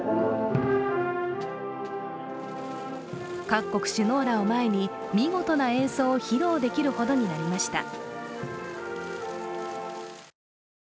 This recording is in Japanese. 各国首脳らを前に見事な演奏を披露できるほどになりました。